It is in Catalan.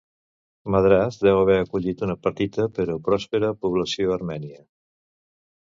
Madras deu haver acollit una petita, però pròspera població armènia.